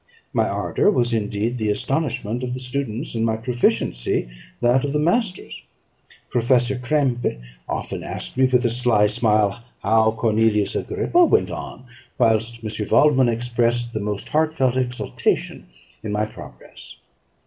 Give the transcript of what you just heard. My ardour was indeed the astonishment of the students, and my proficiency that of the masters. Professor Krempe often asked me, with a sly smile, how Cornelius Agrippa went on? whilst M. Waldman expressed the most heart felt exultation in my progress.